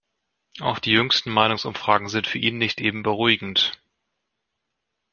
Auch die jüngsten Meinungsumfragen sind für ihn nicht eben beruhigend.